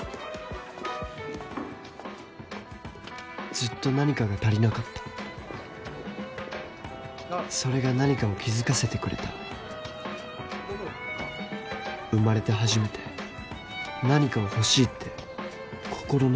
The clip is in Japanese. ずっと何かが足りなかったそれが何かを気付かせてくれた生まれて初めて何かを欲しいって心の底から思った